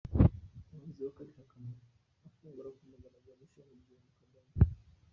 Umuyobozi w’akarere ka Kamonyi afungura ku mugaragaro ishami rya "Unguka Bank".